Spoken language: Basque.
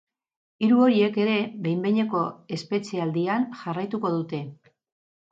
Hiru horiek ere behin-behineko espetxealdian jarraituko dute.